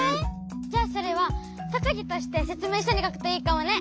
じゃあそれはとくぎとしてせつめいしょにかくといいかもね。